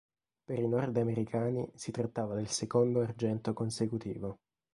Per i nordamericani si trattava del secondo argento consecutivo.